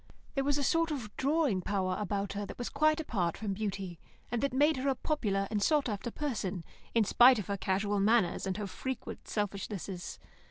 There was a sort of a drawing power about her that was quite apart from beauty, and that made her a popular and sought after person, in spite of her casual manners and her frequent selfishnesses.